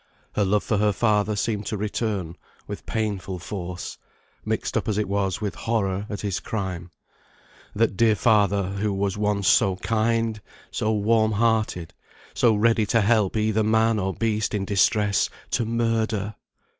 Her love for her father seemed to return with painful force, mixed up as it was with horror at his crime. That dear father, who was once so kind, so warm hearted, so ready to help either man or beast in distress, to murder!